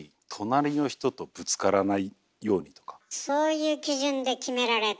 そういう基準で決められた。